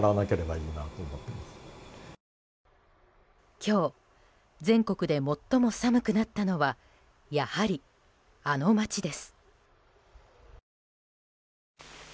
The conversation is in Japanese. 今日全国で最も寒くなったのはやはり、あの町です。